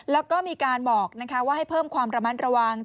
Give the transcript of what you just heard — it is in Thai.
แล้วก็มีการบอกว่าให้เพิ่มความระมัดระวัง